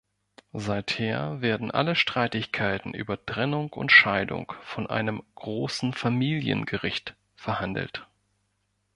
Seither werden alle Streitigkeiten über Trennung und Scheidung von einem "Großen Familiengericht" verhandelt.